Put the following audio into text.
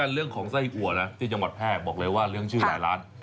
เรื่องของไส้อัวนะที่จังหวัดแพร่บอกเลยว่าเรื่องชื่อหลายร้าน